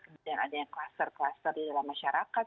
kemudian ada yang klaster klaster di dalam masyarakat